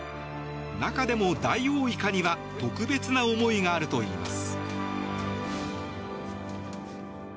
中でも、ダイオウイカには特別な思いがあるといいます。